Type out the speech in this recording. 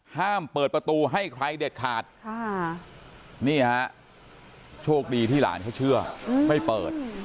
ห้ามเปิดประตูให้ใครเด็ดขาดนี่ฮะโชคดีที่หลานเขาเชื่อไม่เปิด